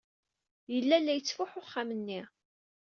Yella la yettfuḥu uxxam-nni.